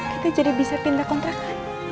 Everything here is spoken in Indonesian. kita jadi bisa pindah kontrakan